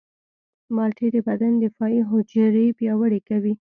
مالټې د بدن دفاعي حجرې پیاوړې کوي.